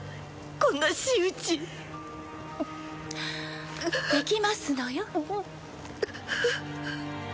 こんな仕打ちできますのよ